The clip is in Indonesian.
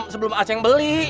sebelum asyik beli